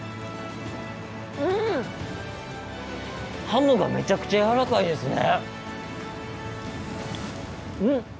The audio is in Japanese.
ハムがめちゃくちゃやわらかいですね！